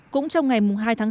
cũng trong ngày hai tháng sáu